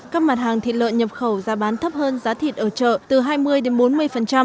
các mặt hàng thịt lợn nhập khẩu giá bán thấp hơn giá thịt ở chợ từ hai mươi đến bốn mươi